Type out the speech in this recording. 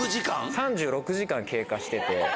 ３６時間経過してて。